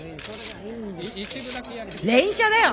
連写だよ！